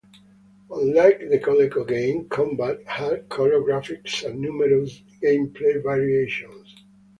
Unlike the Coleco game, "Combat" had color graphics and numerous gameplay variations.